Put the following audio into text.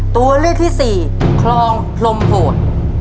ตัวเลือกที่สี่คลองพรมโหด